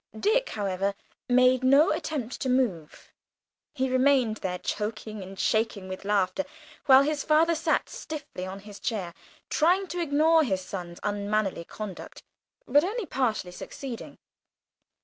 Dick, however, made no attempt to move; he remained there, choking and shaking with laughter, while his father sat stiffly on his chair, trying to ignore his son's unmannerly conduct, but only partially succeeding.